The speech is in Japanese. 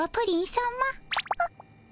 あっ。